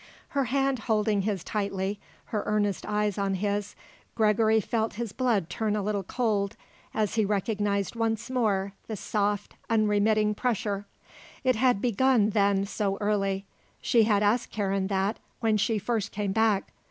Her hand holding his tightly, her earnest eyes on his, Gregory felt his blood turn a little cold as he recognized once more the soft, unremitting pressure. It had begun, then, so early. She had asked Karen that when she first came back.